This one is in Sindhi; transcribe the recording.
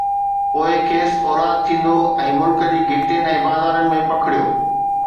پوءِ کيس اولاد ٿيندو ۽ ملڪ جي گهٽين ۽ بازارن ۾ پکڙبو.